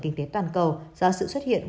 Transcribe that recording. kinh tế toàn cầu do sự xuất hiện